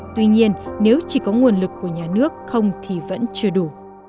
tuy nhiên nếu chỉ có nguồn lực của nhà nước không thì vẫn chưa đủ